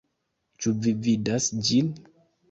Ĉu vi vidas ĝin?